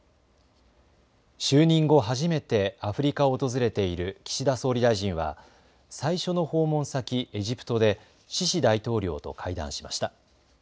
就任後、初めてアフリカを訪れている岸田総理大臣は最初の訪問先、エジプトでシシ大統領と会談しました。